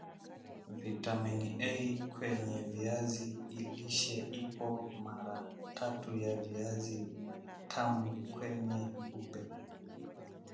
vitamini A kwenye viazi lishe ipo mara tatu ya viazi vitamu nyeupe